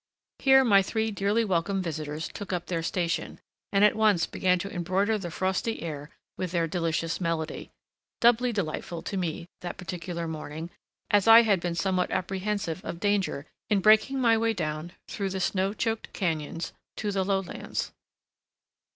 Here my three dearly welcome visitors took up their station, and at once began to embroider the frosty air with their delicious melody, doubly delightful to me that particular morning, as I had been somewhat apprehensive of danger in breaking my way down through the snow choked cañons to the lowlands.